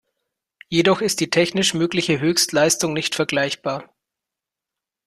Jedoch ist die technisch mögliche Höchstleistung nicht vergleichbar.